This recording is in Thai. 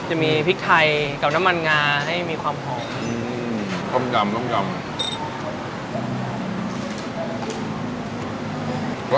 จะมีพริกไทยกับน้ำมันงาให้มีความหอมของต้มยำต้มยำ